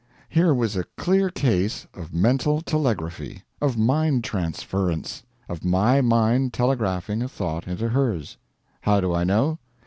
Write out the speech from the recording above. Here was a clear case of mental telegraphy; of mind transference; of my mind telegraphing a thought into hers. How do I know?